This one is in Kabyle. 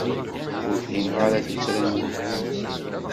Ur fhimeɣ ara tuttra-nwen.